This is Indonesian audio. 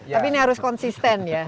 tapi ini harus konsisten ya